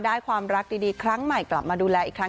ความรักดีครั้งใหม่กลับมาดูแลอีกครั้ง